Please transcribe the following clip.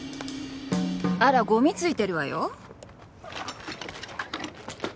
あらゴミ付いてるわよ。